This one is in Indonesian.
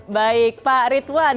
baik pak ridwan